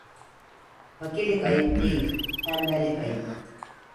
Fakirlik ayıp değil, tembellik ayıp.